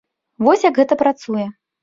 Вось як гэта працуе.